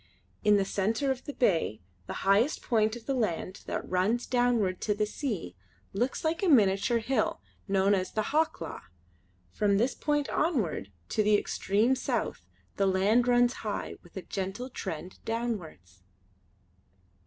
In the centre of the bay the highest point of the land that runs downward to the sea looks like a miniature hill known as the Hawklaw; from this point onward to the extreme south, the land runs high with a gentle trend downwards.